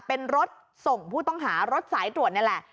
เป็นรถส่งผู้ต้องหารถสายตรวจนี่แหละ